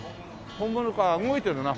本物か動いてるな。